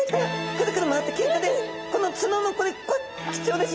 くるくる回ってけんかです。